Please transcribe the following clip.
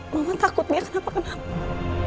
mama takut dia kenapa kenapa